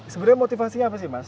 sebenarnya motivasinya apa sih mas